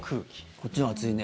こっちのほうが暑いね。